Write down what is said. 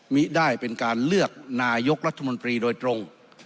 ไม่ได้เป็นการเลือกนายกรัฐมนตรีโดยตรง